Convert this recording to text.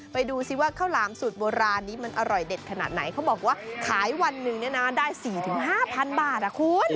ไปดูซิว่าข้าวหลามสูตรโบราณนี้มันอร่อยเด็ดขนาดไหนเขาบอกว่าขายวันหนึ่งเนี่ยนะได้๔๕๐๐บาทคุณ